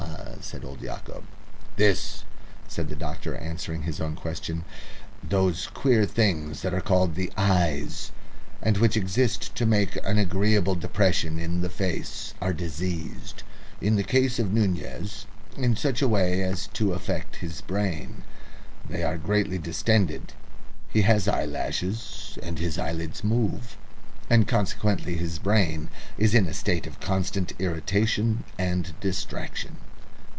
said old Yacob. "This," said the doctor, answering his own question. "Those queer things that are called the eyes, and which exist to make an agreeable soft depression in the face, are diseased, in the case of Bogota, in such a way as to affect his brain. They are greatly distended, he has eyelashes, and his eyelids move, and consequently his brain is in a state of constant irritation and distraction."